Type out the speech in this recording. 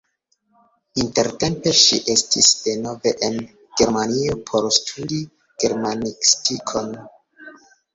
Intertempe ŝi estis denove en Germanio por studi germanistikon.